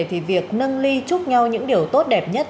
thì việc nâng ly chúc nhau những điều tốt đẹp nhất